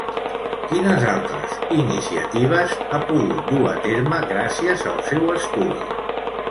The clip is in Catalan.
Quines altres iniciatives ha pogut dur a terme gràcies al seu estudi?